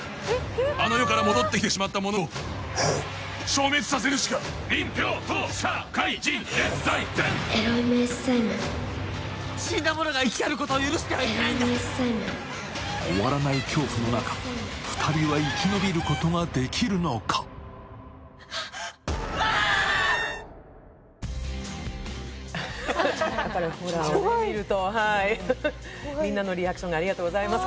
・あの世から戻ってきてしまったものを消滅させるしか・エロイムエッサイム・死んだ者が生き返ることを許してはいけないんだ終わらない恐怖のなか２人は生き延びることができるのかやっぱりホラーを見るとはい・怖いみんなのリアクションがありがとうございます